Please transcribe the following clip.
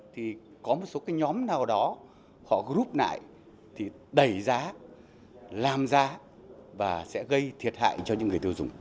thì có một số cái nhóm nào đó họ group lại thì đẩy giá làm giá và sẽ gây thiệt hại cho những người tiêu dùng